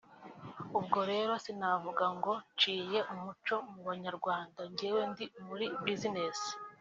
ubwo rero sinavuga ngo nciye umuco mu banyarwanda njyewe ndi muri business